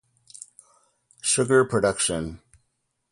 Sugar production.